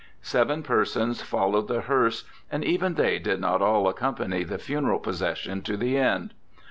Seven persons followed the hearse, and even they did not all accompany the funeral procession to the end.